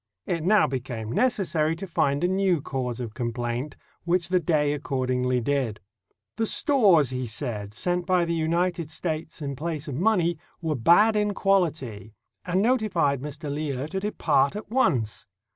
It now became necessary to find a new cause of complaint, which the Dey accord ingly did. The stores, he said, sent by the United States in place of money were bad in quality, and notified Mr. Lear to depart at once.